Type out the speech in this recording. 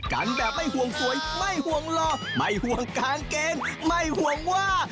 กันแบบไม่ห่วงสวยไม่ห่วงหล่อไม่ห่วงกางเกงไม่ห่วงว่า